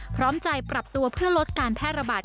พร้อมใจปรับตัวเพื่อลดการแพร่ระบาด